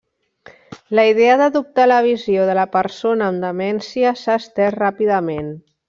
La idea d'adoptar la visió de la persona amb demència s'ha estés ràpidament.